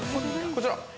◆こちら！